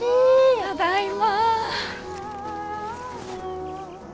ただいま。